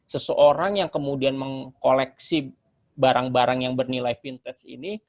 seseorang yang kemudian mengkoleksi barang barang yang bernilai vintage ini